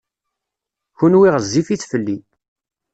Kenwi ɣezzifit fell-i.